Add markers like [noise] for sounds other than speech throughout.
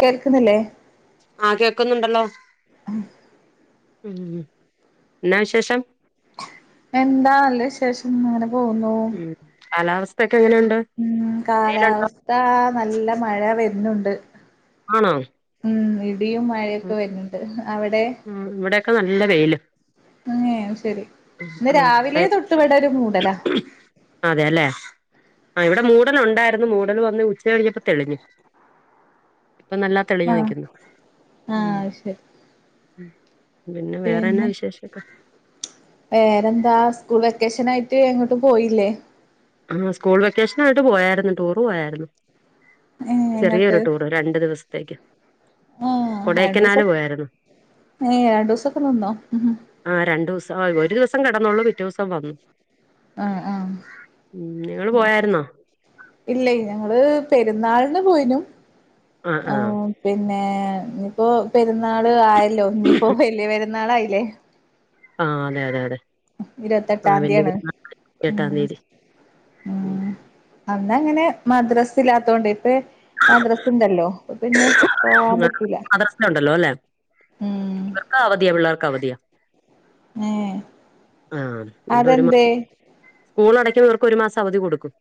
കേൾക്ക്ന്നില്ലേ ആഹ് കേക്കുന്നുണ്ടല്ലോ ആഹ ഉം എന്നാ വിശേഷം എന്താ നല്ല വിശേഷം അങ്ങനെ പോകുന്നു ഉം കാലാവസ്ഥൊക്കെ എങ്ങനെയുണ്ട് ഉം വെയിലുണ്ടോ കാലാവസ്ഥ നല്ല മഴ വെരുനുണ്ട് ആണോ ഉം ഇടിയും മഴയൊക്കെ ഉം വരുന്നുണ്ട് അവിടെ- ഉം ഇവിടെക്കെ നല്ല വെയില് ആഹ് ശരി ഇന്ന് ഉം രാവിലെ ഇവിടെ തൊട്ട് ഇവിടെ ഒരു മൂടലാ അതെ അല്ലേ ആ ഇവിടെ മൂടല് ഒണ്ടായിരുന്നു മൂടൽ വന്ന് ഉച്ച കഴിഞ്ഞപ്പോ തെളിഞ്ഞ് ഇപ്പം നല്ല ആഹ് തെളിഞ്ഞുനിക്കുന്നു ആഹ് ശരി പിന്നെ വേറെന്താ സ്കൂൾ വെക്കേഷൻ ആയിട്ട് എങ്ങോട്ടും പോയില്ലേ ആ സ്കൂൾ വെക്കേഷനായിട്ട് പോയാര്ന്നു ടൂറ് പോയാരുന്നു ഏ എങ്ങട്ട് ചെറിയൊരു ടൂറ് രണ്ടു ദിവസത്തേക്ക് ആ ആൻ [unintelligible] കൊടൈക്കനാല് ഡ്രൂസ് പോയായിരുന്നു രണ്ടു ദിവസവൊക്കെ നിന്നോ ആഹ് രണ്ട് ദെവുസം ആ ഒരുദെവസം കെടന്നുള്ളൂ പിറ്റേ ദെവസം വന്നു ആഹ് ആഹ് ഉം നിങ്ങള് പോയാര്ന്നോ ഇല്ലയ് ഞങ്ങള് പെരുന്നാളിന് പോയിനു ആ ആ ആഹ് പിന്നെ ഇപ്പോ പെരുന്നാള് ആയല്ലോ ഇന്നിയിപ്പോ വല്യ പെരുന്നാള് ആയില്ലേ ആഹ് അതെ അതെ അതെ ആഹ് വല്ലിയ ഇരുപത്തെട്ടാംതിയാണ് പെര്ന്നാക്ക് എട്ടാം ഉം തീയതി ഉം അന്ന് അങ്ങനെ മദ്രാസ ഇ ല്ലാത്തൊണ്ടെ ഇപ്പ മദ്രാസ് ഇണ്ടല്ലോ അപ്പൊ പിന്നെ- പോവാൻ ഇങ്ങക്ക് പറ്റൂല മദ്രസയുണ്ടല്ലോ അല്ലെ ഉം ഇവർക്ക് അവധിയാ പിള്ളേർക്ക് അവധിയാ ഏഹ് ആഹ് ഇവിടെ ഒരു അതെന്തേ സ്കൂൾ അടയ്ക്കുന്നർക്ക് ഒരു മാസം അവധി കൊടുക്കും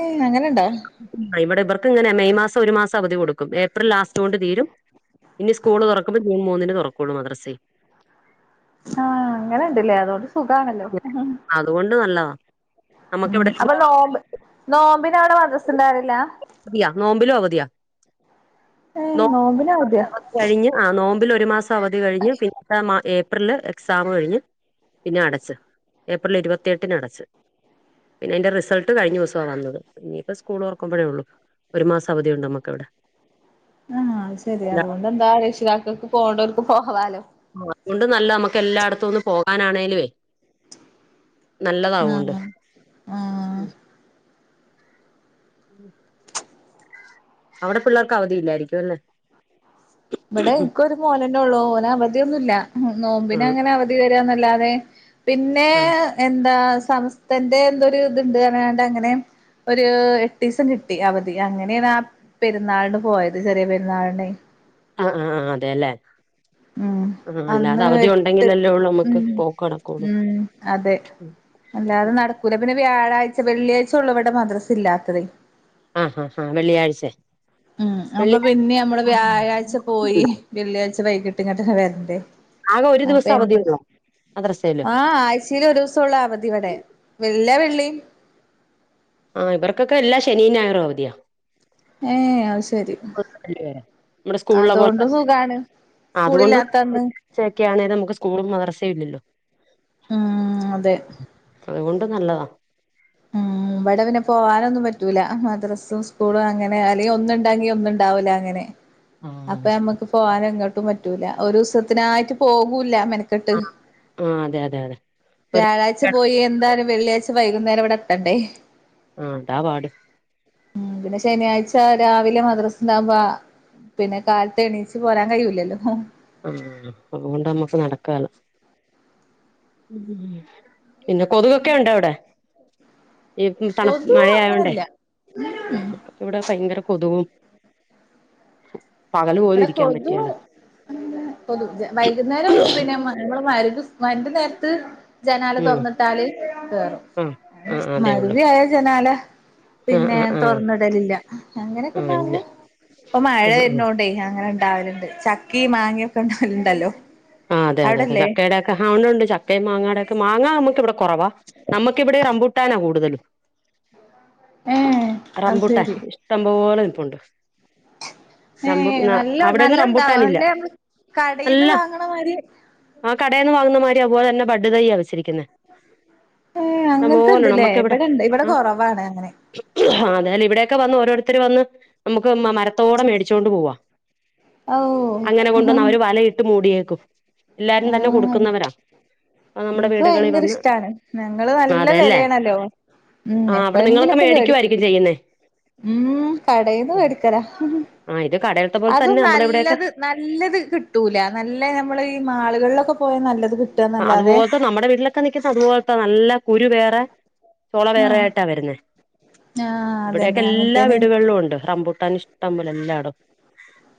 ഏയ് അങ്ങനെയുണ്ടോ ആഹ് ഇവിടെ ഇവർക്ക് ഇങ്ങനെ മെയ് മാസം ഒരു മാസം അവധി കൊടുക്കും ഏപ്രിൽ ലാസ്റ്റ് കൊണ്ട് തീരും ഇനി സ്കൂള് തൊറക്കുമ്പോ ജൂൺ മൂന്നിന് തൊറക്കുള്ളൂ മദർസെ ആഹ് അങ്ങനെ ഇണ്ട് ഇല്ലേ അതു കൊണ്ട് സുഖണല്ലോ അതുകൊണ്ട് നല്ലതാ നമുക്ക് ഉം എവിടെലും അപ്പൊ പോകാൻ നോമ്പ് നോമ്പിന് അവിടെ മദ്‌റസ ഇണ്ടായിരുന്നില ഇല്ല നോമ്പിനും അവധിയാ ഏയ് നോ നോബിന് അവധിയ അവധി കഴിഞ്ഞ് ആ നോമ്പില് ഒരു മാസം അവധി കഴിഞ് പിന്നെ ഏപ്രില് എക്സാം കഴിഞ്ഞ് പിന്നെ അടച്ച് ഏപ്രിൽ ഇരുപത്തിഎട്ടിന് അടച്ച് പിന്നെ അയിന്റെ റിസൾട്ട് കഴിഞ്ഞ ദിവസവാവന്നത് ഇനിപ്പോ സ്കൂള് തൊറക്കുമ്പഴേള്ളൂ ഒരു മാസം അവധിയുണ്ട് നമക്ക് അവടെ ആഹാ അത് ശരിയാ അതുകൊണ്ട് എന്താ രക്ഷിതാക്കൾക്ക് പോവണ്ടോർക്ക് പോവാലോ ആഹ് അതുകൊണ്ട് നല്ലതാ നമ്മക്ക് എല്ലായിടത്തും ഒന്ന് പോകാനാണേലുവേ നല്ലതാവോണ്ട് ആഹ് ആഹ് ഉം അവിടെ പിള്ളേർക്ക് അവധി ഇല്ലായിരിക്കും അല്ലെ ഇവിടെ എനിക്ക് ഒരു മോന് അല്ലെ ഉള്ളൂ ഓന് അവധിയൊന്നുയില്ല നോമ്പിനെ ഉം അങ്ങനെ അവ [unintelligible] പിന്നെ ആഹ് എന്താ സമസ്തന്റെ എന്തൊരു ഇതുണ്ട് പറയാണ്ട് അങ്ങനെ- ഒരു എട്ടീസം കിട്ടി അവധി അങ്ങനെണ് ആ പെരുന്നാൾന് പോയത് ചെറിയ പെരുന്നാൾനെ ആഹ് ആഹ് അതെല്ലെ ഉം ആഹ് അല്ലാതെ അന്ന് അവധി എട്ട് ഒണ്ടെങ്കിലല്ലേ ഉള്ളൂ ഉം നമ്മക്ക് പോക്കടക്കുള്ളൂ ഉം അതെ അല്ലാതെ നടക്കൂല പിന്നെ വ്യാഴാഴ്ച വെള്ളിയാഴ്ച്ചൊള്ളു ഇവടെ മദ്രസ് ല്ലാത്തത് ആ ഹാ ഹാ വെള്ളിയാഴ്ചെ ഉം അപ്പൊ പിന്നെ ഞമ്മള് വ്യാഴാഴ്ച പോയി ഉണ്ടോ വെള്ളിയാഴ്ച വൈകിട്ട് ഇങ്ങട്ടെന്നെ വെര്ണ്ടേ ആകെ ഒരു ദിവസം അവധിയുള്ളോ [unintelligible] മദ്രസയില് ആഹ് ആഴ്ച ച്ചിലൊരുസൊള്ളു അവധി വടെ എല്ലാ വെള്ളീം ആഹ് ഇവർക്കൊക്കെ എല്ലാ ശെനീം ഞായറും അവധിയാ ഏഹ് അത് ശെരി നമ്മുടെ സ്കൂളിലെ പോലെ അതോണ്ട് സുഖാണ് സ്കൂള്ല്ലാത്തന്ന് [unintelligible] നമ്മക്ക് സ്കൂളും മദ്രസയും ഇല്ലല്ലോ ആഹ് അതെ അതുകൊണ്ട് നല്ലതാ ഇവടെ പിന്നെ പോകാനൊന്നും പറ്റൂല മദ്രസും സ്കൂളും അങ്ങനെ അല്ലെങ്കി ഒന്ന്ണ്ടെങ്കി ഒന്ന്ണ്ടാവൂല അങ്ങനെ അപ്പൊ ആഹ് ഞമ്മക്ക് പോവാനെങ്ങട്ടും പറ്റൂല ഒരു ദിവസത്തിനായിട്ട് പോകൂല്ല മെന ന്ന്ട്ട് ആഹ് അതെ അതെ അതെ ഒരു വ്യാഴാഴ്ച പോയി എന്താലും വെള്ളിയാഴ്ച വൈകുന്നേരം ഇവടെ ത്തണ്ടെ അ അതാ പാട് ഉം പിന്നെ ശനിയാഴ്ച രാവിലെ മദ്രസണ്ടാകുമ്പൊ പിന്നെ കാലത്തെണീച്ച് പോരാൻ കയ്യൂലല്ലോ ആഹ് അതുകൊണ്ട് നമ്മക്ക് നടക്കേല ഉം പിന്നെ കൊതുകൊക്കെയുണ്ടൊ വടെ ഈ തണപ് കൊതു മഴയായോണ്ടേ അങ്ങനല്ല ഇവടെ ഭയങ്കര കൊതുകും പകല് പോലും ഇവടെ ഇരിക്കാൻ കൊതു പറ്റിയേല ഉം കൊതു വൈകുന്നേരം പിന്നെ മ ഞങ്ങള് മഗ്രിബ് സ് മഗ്രിബിന്റെര്ത്ത് ജനാല ഉം തൊർന്ന്ട്ടാല് കേറും ആഹ് ആഹ് അതേ ഉള്ളൂ മഗ്രിബായ ജനാല ആഹ് പിന്നെ ആഹ് ആഹ് തൊർന്ന്ടലില്ല ആഹ് ഇല്ല അങ്ങനെക്കെണ്ടാവുമ്പൊ പ്പ മഴ ആഹ് ആഹ് വെര്ണോ ണ്ടെ അങ്ങനെണ്ടാവല്ണ്ട് ചക്കി മാങ്യൊക്കെ ണ്ടാവല്ണ്ടല്ലോ ആഹ് അതെ അതെതെ ചക്കേടെ ഒക്കെ ഹാണ് ണ്ട് ചക്കേം മാങ്ങാടൊക്കെ മാങ്ങ നമ്മക്ക് ഇവടെ കൊറവാ നമ്മക്കിവടെ റംമ്പൂട്ടാനാ കൂടുതലും ഏഹ് അത് റമ്പുട്ടാൻ ഇഷ്ടംപോലെ നിപ്പുണ്ട് ഏ റംബൂ നല്ലോം അവിടെയൊന്നും നല്ലോണ്ടാവോ റംബൂട്ടാനില്ല നല്ലത് മ്മള് കടേന്ന് അല്ല വാങ്ണ മാരി ആഹ് കടേന്ന് വാങ്ങുന്ന മാരി അത് പോലെ തന്നെ ബഡ് തെയ്യാ വെച്ചിരിക്ക്ന്നെ ഏഹ് അങ്ങൻത്തെണ്ട്ലെ ഇവടെണ്ട് ഇവടെ കൊറവാണ് അങ്ങനെ ആഹ് അതെലെ ഇവടെയൊക്കെ വന്ന് ഓരോരുത്തര് വന്ന് നമ്മക്ക് മ മരത്തോടെ മേടിച്ചോണ്ട് പോവാ ഔ അങ്ങനെ കൊണ്ടന്ന് അവര് വലയിട്ട് മൂടിയേക്കും എല്ലാരും തന്നെ കൊടുക്കുന്നവരാ അപ്പ നമ്മുടെ ഇൻക്ക് വീടുകളിൽ ഭയങ്കര വന്ന് ഇഷ്ടാണ് ഞങ്ങള് നല്ല അതെല്ലേ വെലേണല്ലോ ഉം ആ അവിടെ നിങ്ങളൊക്കെ എപ്പഴെങ്കിലൊക്കെ വേടിക്കും മേടിക്കുവായിരിക്കും ചെയ്യുന്നേ ഉം കടേന്ന് വേടിക്കല ആ ഇത് കടയിലത്തെ പോലെ അതും തന്നെ നമ്മുടെ ഇവിടെയൊക്കെ നല്ലത് നല്ലത് കിട്ടൂല നല്ല നമ്മള് ഈ മാളുകളിലൊക്കെ പോയാ നല്ലത് കി അതുപോൽത്തെ നമ്മടെ വീട്ടിലൊക്കെ നിക്കുന്ന അതുപോൽത്തെ നല്ല കുരു വേറെ ചോള ആഹ് വേറെയായിട്ടാ വരുന്നേ ആഹ് ഇവിടെൊക്കെ അതന്നെ എല്ലാ അങ്ങനത്തേന് വീടുകളിലും ഉണ്ട് റംമ്പുട്ടൻഷ് ടപോലെ എല്ലാടോ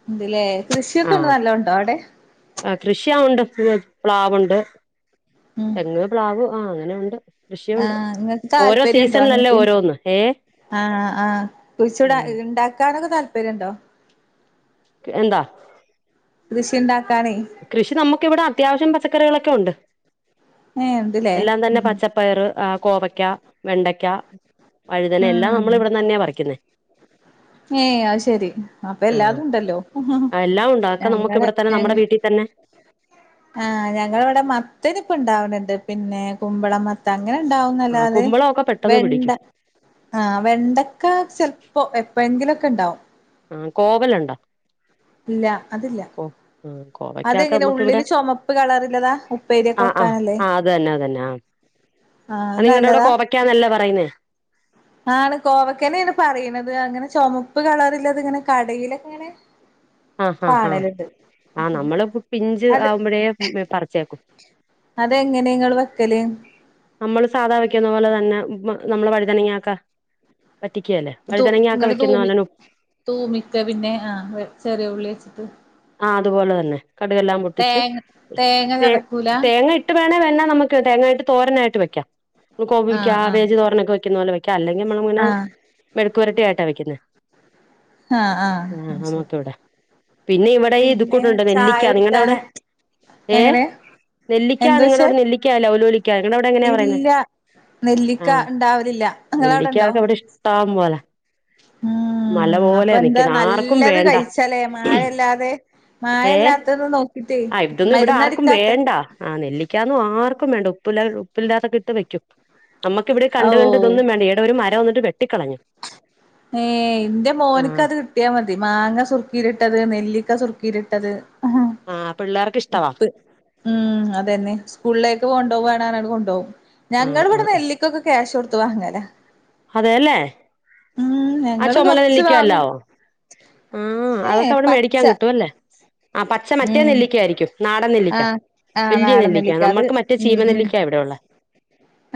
ഇണ്ട്ല്ലേ കൃഷിയൊക്കെ ഉ നല്ല ഉണ്ടോ അവിടെ ആ കൃഷിയവുണ്ട് പ്ലാവുണ്ട് ഉം തെങ്ങ്, പ്ലാവ് ആഹ് അങ്ങനെയുണ്ട്. ആഹ് ഇങ്ങക്ക് താല്പര്യണ്ടോ അങ്ങൻത്തീന്. ഓരോന്ന് ഏ ആഹ്, ആഹ് കുഴിച്ചൂട ണ്ടാക്കാനൊക്കെ താല്പര്യണ്ടോ. കെ എന്താ. കൃഷിണ്ടാക്കാനേ. കൃഷി നമുക്കിവിടെ അത്യാവശ്യം പച്ചക്കറികളൊക്കെ ഒണ്ട്. ഏഹ്. ഇണ്ട്ല്ലേ എല്ലാം തന്നെ ഉം പച്ചപ്പയറ്, ആഹ് കോവയ്ക്ക, വെണ്ടയ്ക്ക. വഴുതനെല്ലാം ഉം നമ്മളിവടന്ന്യാ പറിക്കുന്നേ. ഏഹ് അഹ് ശെരി അപ്പെല്ലാതുംണ്ടല്ലോ ആ എല്ലാം ഉണ്ട് അതൊക്കെ നമുക്ക് ഞങ്ങളെ ഇവിടെ തന്നെ ഞങ്ങ നമ്മുടെ വീട്ടിൽ തന്നെ ആഹ് ഞങ്ങളെവിടെ മത്തനിപ്പൊ ണ്ടാവ്ണ്ണ്ട് പിന്നെ കുമ്പളം മ ത്ത ആ അങ്ങനെണ്ടാവുന്നല്ലാതെ കുമ്പളമൊക്കെ പെട്ടെന്ന് വെണ്ട. പിടിക്കും ആ വെണ്ടക്ക ചെലപ്പോ എപ്പോഴെങ്കിലൊക്കെണ്ടാവും. ആഹ് കോവലുണ്ടോ. ഇല്ലാ അതില്ല. ഓഹ്. അതെങ്ങനെ ഉള്ളില് ചൊമപ്പ് കളറില്ലതാ ഉപ്പേരിയൊക്കെ ആ ആ വെക്കാനല്ലേ. ആ അത് തന്നെ അത് തന്നെ ആഹ് നല്ലതാ. ക്കാ നല്ലെ പറയുന്നേ. ആണ് കോവക്കന്നേണ് പറീണത് അങ്ങനെ ചുമപ്പ് കളറില്ലത് ഇങ്ങനെ കടയിലൊക്കെങ്ങനെ. ആഹ് ഹാ ഹാ ആ നമ്മള് പിഞ്ച് അത് ആവുമ്പഴേ പറിച്ചേക്കും. അതെങ്ങനെ ഇങ്ങള് വെക്കല്. അമ്മള് സാധാ വെക്കുന്ന പോലെ തന്നെ നമ്മള് വഴുതനങ്ങാക്ക. വറ്റിക്കേല്ലേ തു വഴുതനങ്ങ്യക്കെ ഇങ്ങട് വെക്കുന്ന തൂമി പോലെന്നെ ഉ തൂമിക്ക പിന്നെ ആഹ് ചെറിയ ഉള്ളി വെച്ചിട്ട്. ആഹ് അതുപോലെ തന്നെ കടുകെല്ലാം പൊട്ടിച്ച് തേങ്ങ തേങ്ങ ചതക്കൂല തേങ്ങ ഇ ട്ട് വേണേ വേണ നമുക്ക് തേങ്ങായിട്ട് തോരനായിട്ട് വെക്കാം കോവീ ആഹ് ആഹ് ക്യാബേജ് തോരനൊക്കെ വെക്കുന്ന പോലെ വെക്കാം. ക്കാം അല്ലെങ്കി നമ്മളിങ്ങനെ ആഹ് മെഴുക്കുവരട്ടി ആയിട്ടാ വെക്കുന്നെ. ആഹ്, ആ ആഹ് ശെരി. നമുക്ക് ഇവിടെ പിന്നെ ഇവിടെ ഈ ഇത് പിന്നെ കൂട്ടുണ്ട് നെല്ലിക്ക നിങ്ങളുടെ ചായുടിക്കാന് എങ്ങനെ. നെല്ലിക്കാ എന്തോയ്ച്ചേ നിങ്ങളവിടെ നെല്ലിക്കാ ലവലോലിക്കാ നിങ്ങടവിടെ എങ്ങനെയാ പറയുന്നേ. നെല്ലിക്കണ്ടാവലില്ല ങ്ങളവടെണ്ടോ. ട്ടംപോലാ ഉം മലപോലയാ നിക്കുന്നെ ആർക്കും വേണ്ട. തല്ലേ മഴല്ലാതെ ഏ മായല്ലാത്തത് നോക്കിട്ടേ മരുന്നടിക്കാത്തെ. ആഹ് നെല്ലിക്ക്യാന്നും ആർക്കും വേണ്ട ഉപ്പല ഉപ്പില്ലാത്തെ ഇട്ട് വെക്കും. നമുക്ക ഇവിടെ ഓ കണ്ട് കണ്ട് ഇതൊന്നും വേണ്ട ഈടെ ഒരു മരം അങ്ങോട്ട്‌ വെട്ടി. ഏഹ് ന്റെ ആ മോൻക്കത്. കിട്ടിയാ മതി മാങ്ങ സുർക്കീലിട്ടത്, നെല്ലിക്ക സുർക്കീലിട്ടത്. ആഹ് പിള്ളേർ ഉപ്പ് ഉം അതന്നെ സ്കൂളിലേക്ക് കൊണ്ടോവാണ് അറഞ്ഞ്ങ്ങാണ്ട് കൊണ്ടോവും. ആ ആ ഞങ്ങളിവിടെ നെല്ലിക്കൊക്കെ ക്യാഷ് കൊടുത്ത് വാങ്ങലാ. അതേല്ലെ ഉം ആ ഞങ്ങള് ചൊമല കൊറച്ച് വാങ്ങും നെല്ലിക്കല്ലാവോ. ആഹ് ഏ അതൊക്കെ അവിടെ പച്ച മേടിക്കാൻ കിട്ടുവല്ലേ ആ പച്ച മറ്റേ ഉം നെല്ലിക്ക ആയിരിക്കും. നാടൻ നെല്ലിക്ക ആഹ് ആഹ് വല്ല്യേ നാടൻ നെല്ലിക്ക അത് നമ്മുക്ക് മറ്റേ ഉം ഉം ചീമനെല്ലിക്ക്യാ ഇവിടെയുള്ളെ.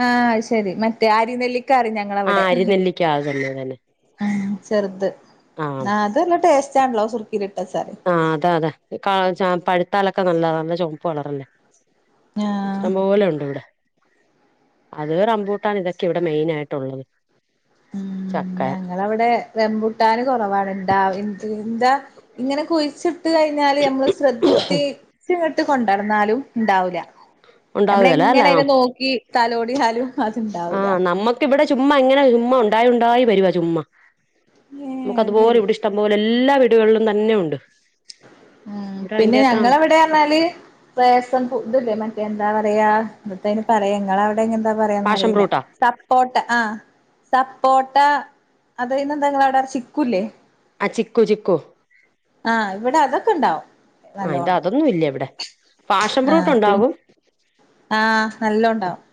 ആഹ് അഹ് ശെരി മറ്റേ ആരിനെല്ലി ആഹ് അരി നെല്ലിക്ക ആഹ് തന്നെ തന്നെ. ആഹ് ചെറുത് ആ ആഹ് അത് നല്ല ടേസ്റ്റാണല്ലോ സുർക്കീലിട്ടെച്ചാല്. ആഹ് അതെ അതെ പഴുത്താലൊക്കെ നല്ലതാ നല്ല ചൊമപ്പ് കളറല്ലേ. ആഹ് ഇഷ്ടം പോലെ ഉണ്ട് ഇവിടെ. അത് റമ്പൂട്ടാൻ ഇതൊക്കെ ഇവിടെ മെയിനായിട്ടുള്ളത് ചക്കാ. അവിടെ റംമ്പുട്ടാന് കുറവാണ് ഇണ്ടാവ എന്താ ഇങ്ങനെ കുഴിച്ചിട്ട് കഴിഞ്ഞാല് നമ്മള് ശ്രദ്ധിച്ച് ശ്രദ്ധിച്ച് കൊണ്ടനടന്നാലും ഉണ്ടാവില്ല നമ്മള് ഉണ്ടാവുകേല അല്ലെ എങ്ങനെ നോക്കി നോക്കി തലോടിയാലും അത് ഉണ്ടാവൂല ആഹ് നമ്മക്ക് ഇവിടെ ചുമ്മാ ഇങ്ങനെ ചുമ്മാ ഉണ്ടായി ഉണ്ടായി വരുവാ ചുമ്മാ ഏഹ് നമുക്ക് അത് അതുപോലെ ശരി ഇവിടെ ഇഷ്ട ഇഷ്ടം പോലെ എല്ലാ വീടുകളിലും തന്നെ ഉണ്ട് ഉം ഇവിടെ പിന്നെ അതിന്റെയൊക്കെ ഞങ്ങളെ എവിടെ പറഞ്ഞാല് ബെഷ ഫുഡ്ല്ലേ മറ്റേ എന്താ പറയാ ഇത്തെന് പറയ നിങ്ങള് അവിടെ അവിടെ എക്കെ എന്താ പറയാ പാഷൻ അറിയില്ല ഫ്രൂട്ടാ സപോട്ട ആ സപ്പോട്ട അത് കഴിഞ്ഞ് നിങ്ങടെ അവിടെ ചിക്കൂല്ലേ ആ ചിക്കു ചിക്കു ആഹ് ഇവിടെ അതൊക്കെ ഉണ്ടാവും ആഹ് ഇത് അതൊന്നും ഇല്ല ഇവിടെ പാഷൻ ഫ്രൂട്ട് ആഹ് പി ഉണ്ടാവും ആഹ് നല്ലോണ്ടാവും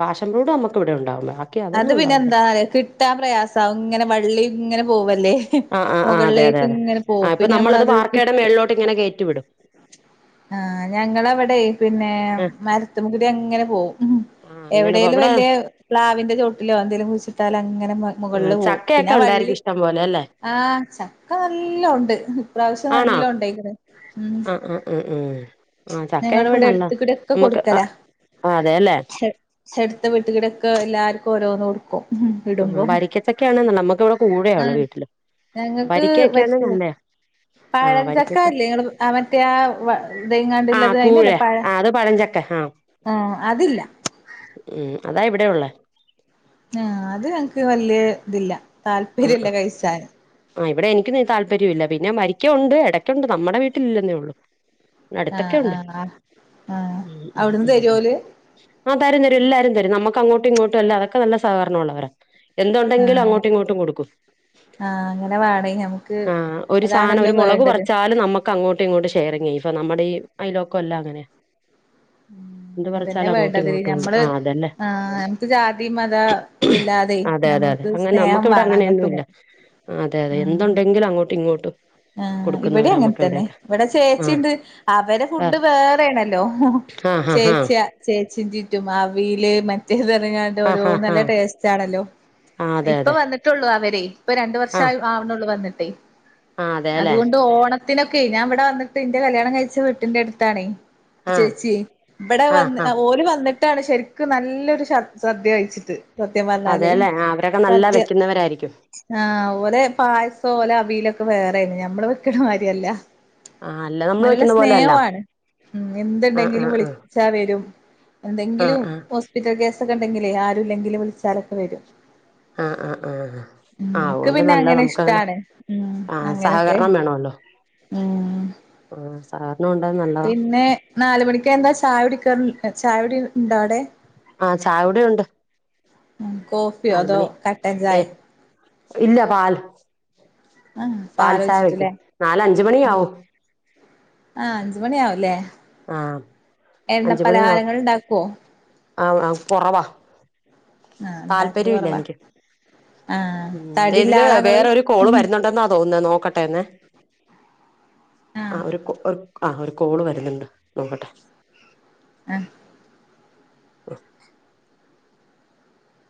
പാഷൻ ഫ്രൂട്ട് നമുക്ക് ഇവിടെ ഉണ്ടാവും അത് അതൊന്നും പിന്നെ ഉണ്ടാവില്ല എന്താ കിട്ടാൻ പ്രയാസാവും ഇങ്ങനെ വള്ളി ഇങ്ങനെ പോവുല്ലേ ആഹ് ആഹ് ആഹ് അതെ അതെ മുകളിലേക്ക് അതെ ഇങ്ങനെ പോകും ആഹ് ഇപ്പൊ പിന്നെ നമ്മളത് വാർക്കയുടെ കിട്ടും മേളിലോട്ട് ഇങ്ങനെ കയറ്റി വിടും ആഹ് ഞങ്ങളവിടെ പിന്നെ ആഹ് മരത്തുമ്പിടി അങ്ങനെ പോകും ആഹ് അങ്ങനെ എവിടെലും ഇവിടെ വലിയ പ്ലാവ് മരത്തിൻ്റെ ചോട്ടിലോ എന്തെലും കുഴിച്ചിട്ടാൽ അങ്ങനെ മുകളിൽ ആഹ് പോകും പിന്നെ ചക്കയൊക്കെ ആ വള്ളി ഉണ്ടായിരിക്കും ഇഷ്ടം പോലെ അല്ലേ ആ ചക്ക നല്ല ഉണ്ട് ഇപ്രാവശ്യം ആണോ നല്ല ഉണ്ടായിക്ക്ണ് ഉം ആഹ് ആഹ് ആഹ് ആഹ് ചക്കയൊക്കെ ഞങ്ങളിവിടെ നല്ല എടുത്തുകൂടി ഒക്കെ നമ്മുക്ക് ആഹ് ആഹ് അതെല്ലേ ചെടുടുത്ത വീട്ടുകിടൊക്കെ എല്ലാവർക്കും ഓരോന്ന് കൊടുക്കും ഉം ആഹ് വരിക്കച്ചൊക്കെയ ആണ് നമ്മുക്ക് ഇവിടെ കൂഴയാള്ളോ വീട്ടില് ഞങ്ങക്ക് വരിക്കയൊക്കെയാണ് വരിക്കയ നല്ലയാ ആഹ് പഴം ചക്ക വരിക്കച്ചക്ക അല്ലേ നിങ്ങള് മറ്റേ ആഹ് എദേങ്ങാണ്ടുള്ളത് കൂഴ അതിനല്ലേ പഴം ആഹ് അത് പഴഞ്ചക്ക ആഹ് ആഹ് അതില്ല ഉം അതാ ഇവിടെ ഉള്ളേ ആ അത് ഞങ്ങക്ക് വലിയ ഇതില്ല താല്പര്യല്ല കഴിച്ചാല് ആ ഇവിടെ എനിക്ക് താല്പര്യം ഇല്ല പിന്നെ വരിക്ക ഉണ്ട് ഇടയ്ക്കുണ്ട് നമ്മുടെ വീട്ടില് ഇല്ലെന്നേ ഉള്ളു ആഹ് അടുത്തൊക്കെ ഉണ്ട് ആഹ് ആഹ് ആഹ് ഉം ഉം അവിടുന്ന് ഉം തരോല് ആഹ് തരം തരും എല്ലരുംതരും നമുക്ക്ങ്ങോട്ട ഇങ്ങോട്ടും എല്ലാം അതൊക്കെ നല്ല സകരണമുള്ളവരാ എന്തുണ്ടെങ്കിലും ആഹ് അങ്ങോട്ടും ഇങ്ങോട്ടും കൊടുക്കും ആഹ് അങ്ങനെ വേണേ നമുക്ക് ആഹ് ഒരു സാധനം അതാണല്ലോ ഒര് മുളക് വേണ്ടത് പറിച്ചാലും അതില് നമ്മക്ക് അങ്ങോട്ടും ഇങ്ങോട്ടും ഷെയറിംഗ് ചെയ്യും. ഇപ്പ നമ്മടെ ഈ അയലോക്കെം എല്ലാം അങ്ങനെയ. ഉം [inaudible] അതന്നെ അങ്ങോട്ടും വേണ്ടത്. ഇങ്ങോട്ടും ഉണ്ട് നമ്മൾ ആഹ് അതെന്നെ ആ നമുക്ക് ജാതി മത ഇതില്ലാതെ നമ്മൾ ഒരു സ്നേഹം ഇവിടെ വേണം അങ്ങനെയൊന്നും അങ്ങട്ടും ഇല്ല. ഇങ്ങട്ടും അതെ അതെ ഉം എന്തുണ്ടെങ്കിലും അങ്ങോട്ടും ഇങ്ങോട്ടും ആ, ഇവിടെ കൊടുക്കുന്നവരാ അങ്ങനെ നമ്മുക്ക് തന്നെ. ഇവിടെയൊക്കെ ഇവിടെ ആഹ് ചേച്ചിണ്ട് അവര് ഫുഡ് വേറെയാണല്ലോ. ആഹ് ചേച്ചിയാ ചേച്ചിന്റെ ചെയ്യും അവില് മറ്റേ, ത് പറഞ്ഞങ്ങാണ്ട്. ആഹ് ഓരോ ആഹ് ആഹ് നല്ല ടേസ്റ്റ് ആണല്ലോ. ആഹ് ആഹ് ആഹ് ആഹ് അതെ ഇപ്പ അതെ വന്നിട്ടുള്ളൂ അവരേ, ഇപ്പ രണ്ടു ആഹ് വർഷം ആവണെള്ളൂ വന്നിട്ടേ. ആഹ് അതെല്ലെ അതുകൊണ്ട് ഓണത്തിനൊക്കെ ഞാൻ ഇവിടെ വന്നിട്ട് എൻ്റെ കല്യാണം കഴിച്ച വീട്ടിന്റെ അടുത്താണേ. ആഹ് ചേച്ചി. ഇവിടെ ആഹ് വന്ന് ആഹ് ഓ ഓല് വന്നിട്ടാണ് ശരിക്കും നല്ലൊരു സദ്യ കഴിച്ചിട്ട്. സത്യ പറഞ്ഞാല് അതെല്ലെ ആഹ് അവരൊക്കെ നല്ല സദ്യ വെക്കുന്നവരായിരിക്കും ആ, ഓലെ പായസം, ഓലെ അവിയലൊക്കെ, വേറെയാണ്. ഞമ്മൾ വെക്കണ മാതിരിയല്ല. ആഹ് അല്ല നമ്മള് നല്ല വെക്കുന്ന പോലെ അല്ല സ്നേഹോണ്. മ്മ്ഹ്. ആഹ് എന്ത്ണ്ടെങ്കിലും ആഹ് വിളിക്കും. ആഹ് വിളിച്ചവരും. ആഹ് എന്തെങ്കിലും ആഹ് ഹോസ്പിറ്റൽ കേസൊക്കെണ്ടെങ്കിലേ, ആരും ഇല്ലെങ്കിൽ വിളിച്ചാലൊക്കെ വരും. ആ, ആ, ആ. ഉം ഇക്ക് ആവൊണ്ട് പിന്നെ നല്ല അങ്ങനെ നമുക്കങ്ങനെ. ഇഷ്ടാണ് ഉം ആ. അങ്ങനൊക്കെ സഹകരണം വേണല്ലോ. ഉം ആ. സഹകരണം ഉണ്ടാവുന്നത് നല്ലതാ. പിന്നെ നാല് മണികെന്താ ചായടിക്കൽ, ചായകുടി ഉണ്ടോ അവിടെ? ആ. ചായൊടിഉണ്ട്. കോഫിയോ നല് അതോ മണി. കട്ടൻ ഏ. ചായെ ഇല്ല പാൽ. ആ. ഇപ്പൊ പാൽ ചായ ആലോചിച്ചിട്ലെ. വെക്കും നാല് അഞ്ച് ആ. മണിയാവും അഞ്ചുമണിയാവുലേ. ആഹ് എണ്ണ പലഹാരങ്ങൾണ്ടാകൊ? ആആ. കൊറവാ ആഹ് ഉണ്ടാക്കല് താല്പര്യോല്ല. കൊറവാ എനിക്ക്. ആഹ് മ്മ്ഹ്. തെ തടില്ല ഇതില് ആളാ ഇങ്ങള് വേറെരു കോൾ വരുന്നുണ്ടെന്നാ തോന്നത്. നോക്കട്ടെ. നോക്കട്ടെ എന്ന്. ആ. ആഹ് ഒര് ആ ഒരു കോൾ വരുന്ന്ണ്ട് നോക്കട്ടെ. ഹേ. [inaudible] [unintelligible] ഹ്. [inaudible]